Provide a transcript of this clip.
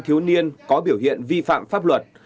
thiếu niên có biểu hiện vi phạm pháp luật